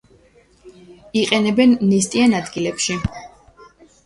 იყენებენ ნესტიან ადგილებში.